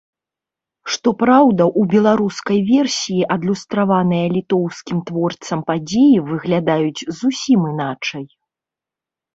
Што праўда, у беларускай версіі адлюстраваныя літоўскім творцам падзеі выглядаюць зусім іначай.